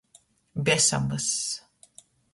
Besam vyss.